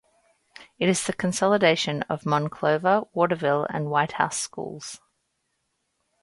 It is the consolidation of Monclova, Waterville, and Whitehouse Schools.